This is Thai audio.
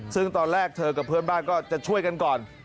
ซึ่งตอนแรกเธอกับเพื่อนบ้านก็จะช่วยกันก่อน